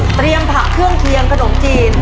ผักเครื่องเคียงขนมจีน